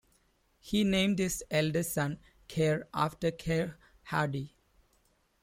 He named his eldest son Keir after Keir Hardie.